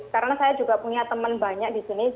karena saya juga punya temen banyak disini